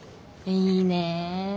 いいねえ。